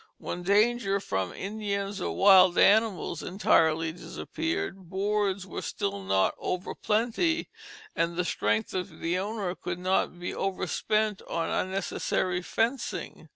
When dangers from Indians or wild animals entirely disappeared, boards were still not over plenty, and the strength of the owner could not be over spent on unnecessary fencing.